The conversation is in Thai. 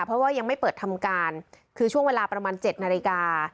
เพราะว่ายังไม่เปิดทำการคือช่วงเวลาประมาณ๗นาฬิกา